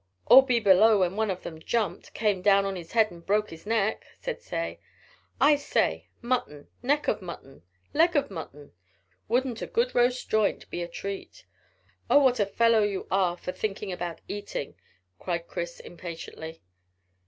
"Or be below when one of them jumped, came down on his head, and broke his neck," said Ned. "I say, mutton neck of mutton leg of mutton! Wouldn't a good roast joint be a treat?" "Oh, what a fellow you are for thinking about eating!" cried Chris impatiently.